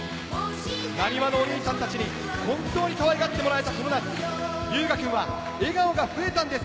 なにわのお兄ちゃんたちに本当にかわいがってもらえたこの夏、龍芽くんは笑顔が増えたんです。